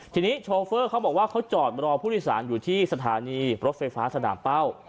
ทีนี้โชเฟอร์เขาบอกว่าเขาจอดรอผู้โดยสารอยู่ที่สถานีรถไฟฟ้าสนามเป้า